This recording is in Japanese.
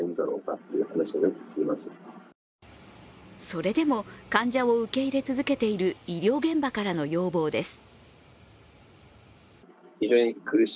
それでも患者を受け入れ続けている医療現場からの要望です。